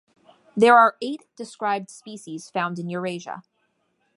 There are eight described species found in Eurasia.